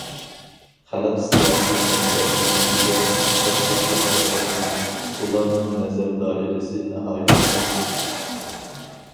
خەلق سىياسىي مەسلىھەت كېڭىشىگە ئىختىساسلىقلار توپلاشقان، ئۇلارنىڭ نەزەر دائىرىسى ناھايىتى كەڭ.